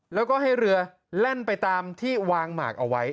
แล้วก็ให้เรือแล่นไปตามที่วางหมากเอาไว้